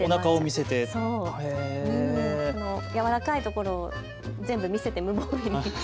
やわらかいところを全部、見せている。